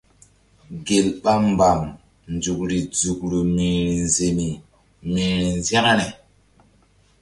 Gel ɓa mbam nzukri nzukru mi̧hri nzemi mi̧hri nzȩkre.